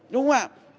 đúng không ạ